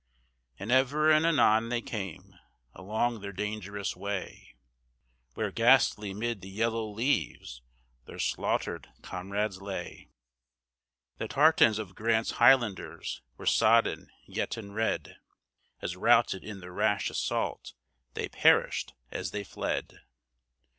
And ever and anon they came, along their dangerous way, Where, ghastly, 'mid the yellow leaves, their slaughtered comrades lay; The tartans of Grant's Highlanders were sodden yet and red, As routed in the rash assault, they perished as they fled.